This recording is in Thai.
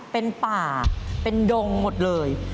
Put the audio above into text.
เป็นป่าเป็นดงหมดเลย